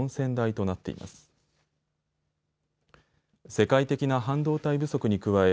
世界的な半導体不足に加え